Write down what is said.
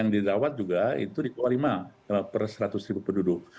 yang dirawat juga itu di bawah lima per seratus ribu penduduk